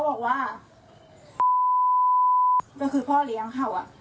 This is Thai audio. แล้วข้างไปช้อน้ำหลังเข้าอ่ะ